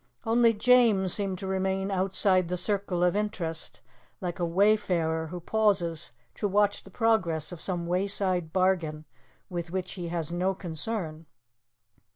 Only James seemed to remain outside the circle of interest, like a wayfarer who pauses to watch the progress of some wayside bargain with which he has no concern.